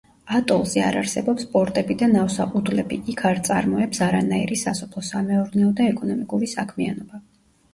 ატოლზე არ არსებობს პორტები და ნავსაყუდლები, იქ არ წარმოებს არანაირი სასოფლო-სამეურნეო და ეკონომიკური საქმიანობა.